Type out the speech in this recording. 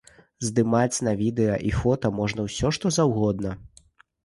Здымаць на відэа і фота можна ўсё што заўгодна.